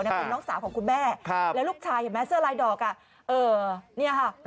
นะครับอ่ะน้องสาวของคุณแม่ครับแล้วลูกทายแม่เสื้อลายดอกอ่ะเออเนี่ยค่ะ